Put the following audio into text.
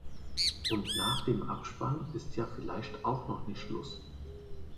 Und nach dem Abspann ist ja vielleicht auch noch nicht Schluss.